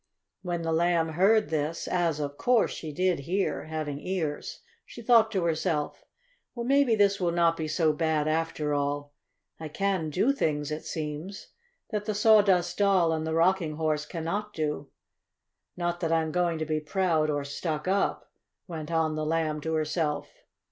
When the Lamb heard this, as, of course, she did hear, having ears, she thought to herself: "Well, maybe this will not be so bad, after all. I can do things, it seems, that the Sawdust Doll and Rocking Horse cannot do. Not that I am going to be proud, or stuck up," went on the Lamb to herself.